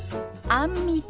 「あんみつ」。